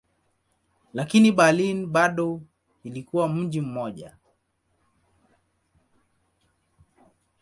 Lakini Berlin bado ilikuwa mji mmoja.